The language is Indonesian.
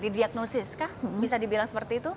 didiagnosis kah bisa dibilang seperti itu